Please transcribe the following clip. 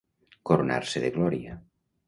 Coronar-se de glòria.